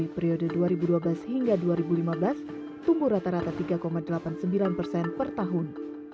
periode dua ribu dua belas hingga dua ribu lima belas tumbuh rata rata tiga delapan puluh sembilan persen per tahun